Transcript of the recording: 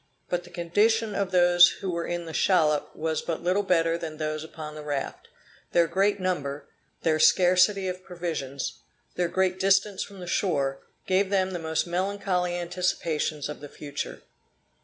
But the condition of those who were in the shallop was but little better than those upon the raft; their great number, their scarcity of provisions, their great distance from the shore, gave them the most melancholy anticipations of the future.